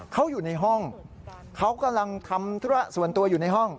เขาอยู่ในห้องเขากำลังทำธุระส่วนตัวอยู่ในห้อง